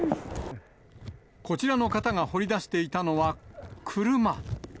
こちらの方が掘り出していたのは、車。